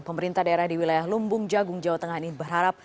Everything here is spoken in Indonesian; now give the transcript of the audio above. pemerintah daerah di wilayah lumbung jagung jawa tengah ini berharap